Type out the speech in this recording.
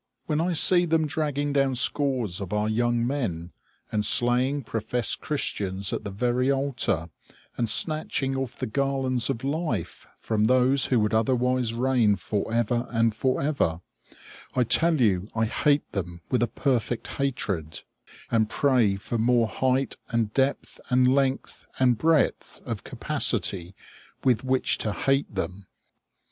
When I see them dragging down scores of our young men, and slaying professed Christians at the very altar, and snatching off the garlands of life from those who would otherwise reign forever and forever, I tell you I hate them with a perfect hatred, and pray for more height, and depth, and length, and breadth of capacity with which to hate them.